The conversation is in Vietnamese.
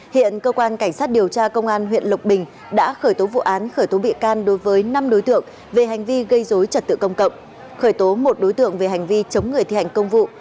hiện cơ quan cảnh sát điều tra công an huyện lộc bình đã khởi tố vụ án khởi tố bị can đối với năm đối tượng về hành vi gây dối trật tự công cộng khởi tố một đối tượng về hành vi chống người thi hành công vụ